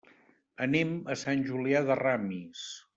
Anem a Sant Julià de Ramis.